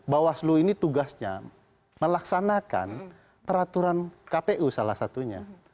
bahwa seluruh ini tugasnya melaksanakan peraturan kpu salah satunya